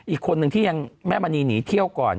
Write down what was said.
อีกคนนึงที่ยังแม่มณีหนีเที่ยวก่อน